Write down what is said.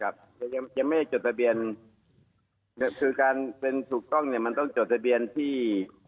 แต่ยังไม่ได้จดทะเบียนคือการเป็นถูกต้องเนี่ยมันต้องจดทะเบียนที่